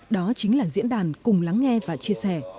đó chính là diễn đàn cùng lắng nghe và chia sẻ